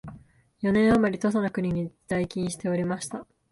四年あまり土佐の国に在勤しておりました